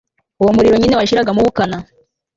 uwo muriro nyine washiragamo ubukana